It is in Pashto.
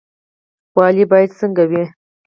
والي باید څنګه وي؟